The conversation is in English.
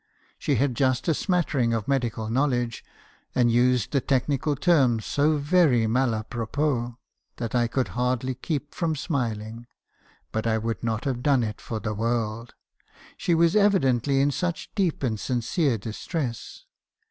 She had just a smattering of medical knowledge , and used the technical terms so very mat a propos that I could hardly keep from smiling; but I would not have done it for the world , she was evidently in such deep and sincere distress.